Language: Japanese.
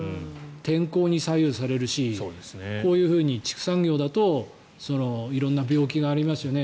天候に左右されるしこういうふうに、畜産業だと色んな病気がありますよね。